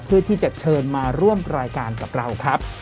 เพื่อที่จะเชิญมาร่วมรายการกับเราครับ